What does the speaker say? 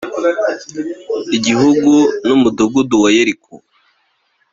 igihugu n umudugudu wa yeriko